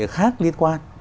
khác liên quan